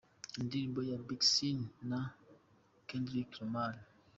Indirimbo ya Big Sean na Kendrick Lamar: .